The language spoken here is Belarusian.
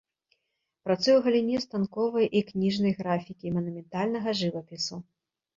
Працуе ў галіне станковай і кніжнай графікі, манументальнага жывапісу.